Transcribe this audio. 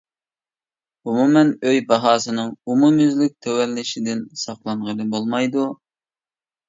ئومۇمەن ئۆي باھاسىنىڭ ئومۇميۈزلۈك تۆۋەنلىشىدىن ساقلانغىلى بولمايدۇ.